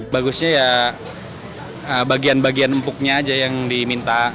bagusnya ya bagian bagian empuknya aja yang diminta